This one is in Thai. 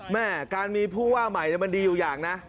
แม่การมีผู้ว่าใหม่มันดีอยู่อย่างนะ